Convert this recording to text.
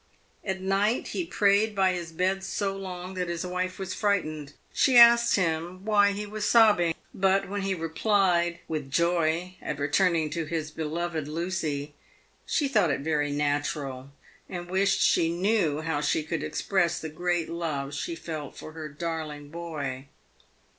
At night he prayed by his bed so long that his wife was frightened. She asked him why he was sobbing, but, when he replied, " With joy at returning to his beloved Lucy," she thought it very natural, and wished she knew how she could express the great love she felt for her " darling boy."